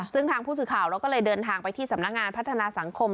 ซึ่งทางผู้สื่อข่าวเราก็เลยเดินทางไปที่สำนักงานพัฒนาสังคม